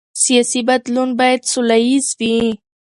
سیاسي بدلون باید سوله ییز وي